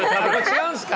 違うんですか？